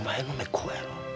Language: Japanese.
こうだろ。